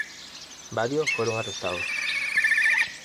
Varios fueron arrestados.